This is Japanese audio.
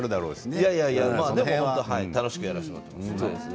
その辺は楽しくやらせてもらっています。